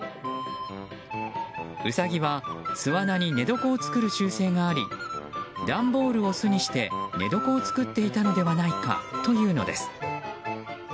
ウサギは巣穴に寝床を作る習性があり段ボールを巣にして寝床を作っていたのではないかというのです。